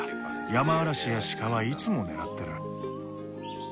ヤマアラシやシカはいつも狙ってる。